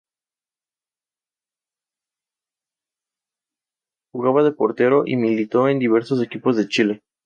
La vida de Natalia retorna al aburrimiento.